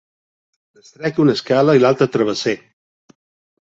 N'extrec una escala i l'altre travesser.